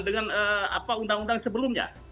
dengan apa undang undang sebelumnya